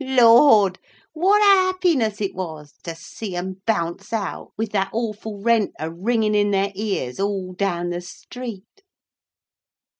Lord! what a happiness it was to see 'em bounce out, with that awful rent a ringing in their ears all down the street!"